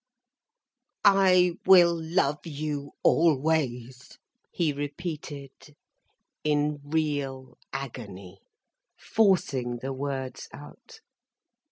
"I will love you always," he repeated, in real agony, forcing the words out.